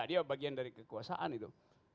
dan itu adalah ide yang dari kekuasaan itu